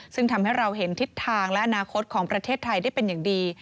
ซึ่งทำให้เราเห็นทิศทางและอนาคตของประเทศไทยได้เป็นอย่างดี